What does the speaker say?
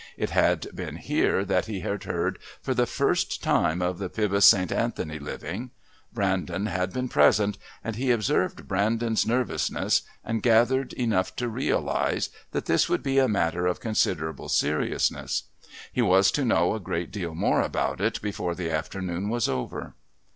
It had been here that he had heard for the first time of the Pybus St. Anthony living. Brandon had been present, and he observed Brandon's nervousness, and gathered enough to realise that this would be a matter of considerable seriousness. He was to know a great deal more about it before the afternoon was over.